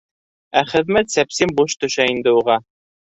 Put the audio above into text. Ә хеҙмәт сәпсим буш төшә инде уға.